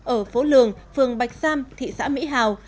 ở phố lường phường bạch sam thị xã mỹ hào